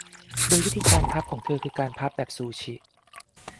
โดยวิธีการพับของเธอคือการพับแบบซูชิ